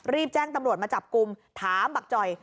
รีบแจ้งตำรวจมาจับกลุ่มถามบักจ่อย